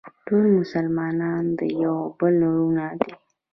ټول مسلمانان د یو بل وروڼه دي.